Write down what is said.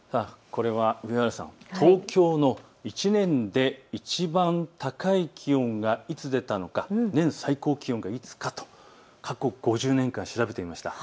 これは東京の１年でいちばん高い気温がいつ出たのか、最高気温がいつかと過去５０年間、調べてみました。